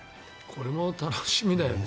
これも楽しみだよね。